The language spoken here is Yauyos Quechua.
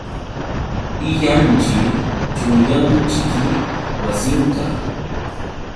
Illanćhi, chunyanćhiki wasinqa.